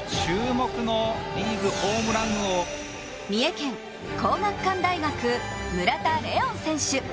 三重県皇学館大学、村田怜音選手。